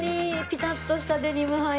ピタッとしたデニム。